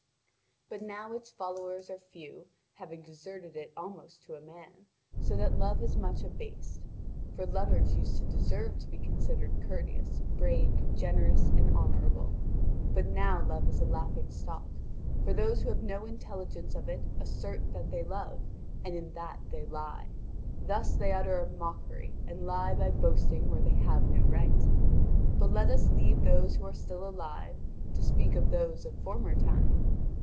But now its followers are few, having deserted it almost to a man, so that love is much abased. For lovers used to deserve to be considered courteous, brave, generous, and honourable. But now love is a laughing stock, for those who have no intelligence of it assert that they love, and in that they lie. Thus they utter a mockery and lie by boasting where they have no right. But let us leave those who are still alive, to speak of those of former time.